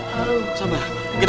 kita cek dulu kebenaran ya